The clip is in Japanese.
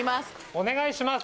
お願いします。